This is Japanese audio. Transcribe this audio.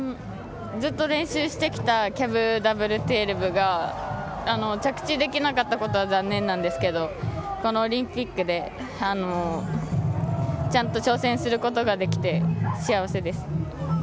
ずっと練習してきたキャブダブル１２６０が着地できなかったことは残念なんですけどこのオリンピックでちゃんと挑戦することができて幸せです。